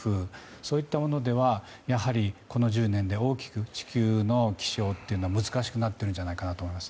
そういったものではやはり、この１０年で大きく地球の気象というのは難しくなっているんじゃないかなと思います。